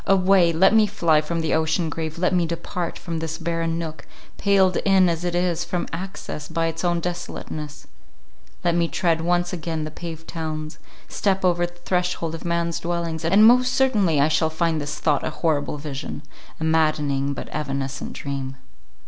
Away! let me fly from the ocean grave, let me depart from this barren nook, paled in, as it is, from access by its own desolateness; let me tread once again the paved towns; step over the threshold of man's dwellings, and most certainly I shall find this thought a horrible vision—a maddening, but evanescent dream.